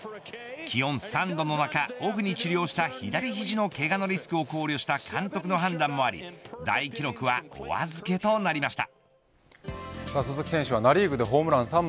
気温３度の中オフの左ひじのけがのリスクを考慮した監督の判断もありで大記録はおあずけとなりました。